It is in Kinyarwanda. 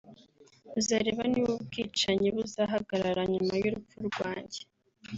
muzareba niba ubwicanyi buzahagarara nyuma y’urupfu rwanjye